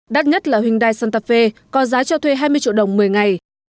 đắt nhất là hyundai santa fe có giá cho thuê hai mươi triệu đồng một mươi ngày